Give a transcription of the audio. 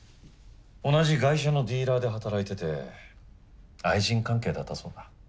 同じ外車のディーラーで働いてて愛人関係だったそうだ。